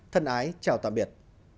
thân ái chào tạm biệt